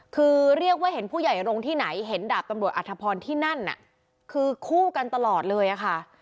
คือเรียกว่าเห็นผู้ใหญ่โรงที่ไหนเห็นดาบตำรวจอัธพรที่นั่นน่ะคือคู่กันตลอดเลยอะค่ะ